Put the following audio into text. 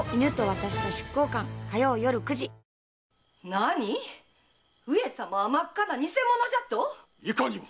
何‼上様は真っ赤な偽者じゃと⁉いかにも！